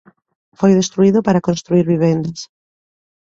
Foi destruído para construír vivendas.